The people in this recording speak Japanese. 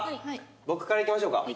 僕からいきましょうか。